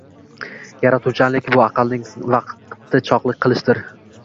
Yaratuvchanlik bu aqlning vaqtichog’lik qilishidir